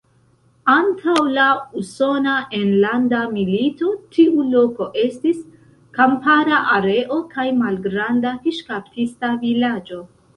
Antaŭ la Usona Enlanda Milito tiu loko estis kampara areo kaj malgranda fiŝkaptista vilaĝo.